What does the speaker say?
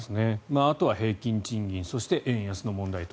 あとは平均賃金そして円安の問題と。